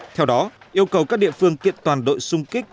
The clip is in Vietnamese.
theo đó yêu cầu các địa phương kiện toàn đội xung kích